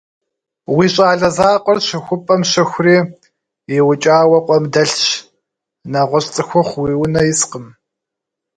Уи щӀалэ закъуэр щыхупӀэм щыхури, иукӀауэ къуэм дэлъщ. НэгъуэщӀ цӀыхухъу уи унэ искъым.